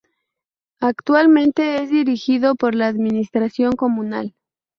Actualmente es dirigido por la Administración comunal.